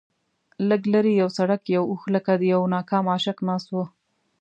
لږ لرې پر سړک یو اوښ لکه د یوه ناکام عاشق ناست و.